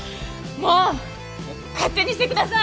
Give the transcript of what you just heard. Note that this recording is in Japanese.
もう勝手にしてください！